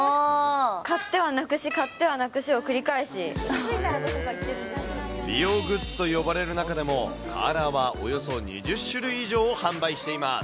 買ってはなくし、買ってはなくし美容グッズと呼ばれる中でも、カーラーはおよそ２０種類以上を販売しています。